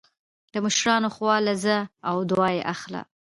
د مشرانو خوا له ځه او دعا يې اخله